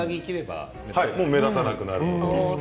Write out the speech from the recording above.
目立たなくなります。